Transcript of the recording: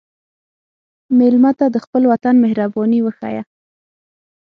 مېلمه ته د خپل وطن مهرباني وښیه.